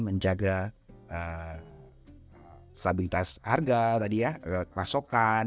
menjaga stabilitas harga tadi ya pasokan